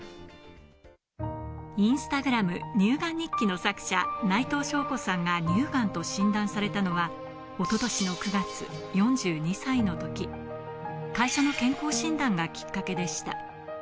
インスタグラム乳がん日記の作者・内藤省子さんが乳がんと診断されたのは、一昨年の９月、４２歳の時、会社の健康診断がきっかけでした。